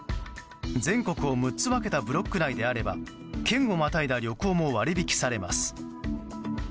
全国を６つ分けたブロック内であれば県をまたいだ旅行も割引されます。